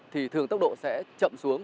thì thường tốc độ sẽ chậm xuống